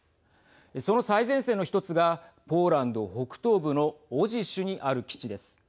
その最前線の１つがポーランド北東部のオジシュにある基地です。